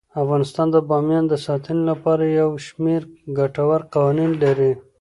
افغانستان د بامیان د ساتنې لپاره یو شمیر ګټور قوانین لري.